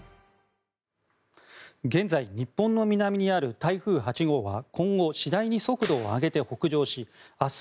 現在、日本の南にある台風８号は今後、次第に速度を上げて北上し明日